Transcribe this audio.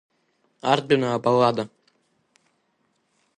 Ардәына Абаллада.